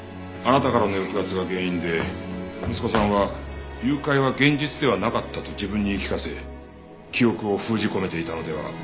あなたからの抑圧が原因で息子さんは誘拐は現実ではなかったと自分に言い聞かせ記憶を封じ込めていたのでは。